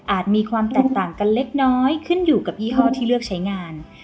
มีความแตกต่างกันเล็กน้อยขึ้นอยู่กับยี่ห้อที่เลือกใช้งาน